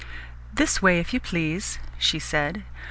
"This way, if you please," she said.